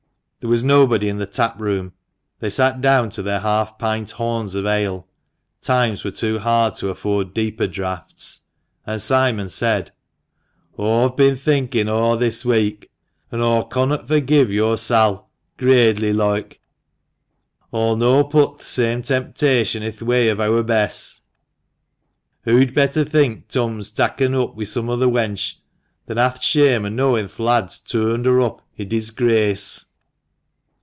There was nobody in the taproom. They sat down to their half pint horns of ale — times were too hard to afford deeper draughts — and Simon said : "Aw've bin thinkin' o' this week, an' as aw connot furgive yo'r Sail, gradely loike, aw'll no put th' same temptation i' th' way of eawr Bess. Hoo'd better think Turn's takken oop wi' some other wench, than ha' th' shame o' knowin' th' lad's toorned her up i' disgrace.